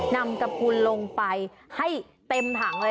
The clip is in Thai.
นำกระพุนลงไปให้เต็มถังเลย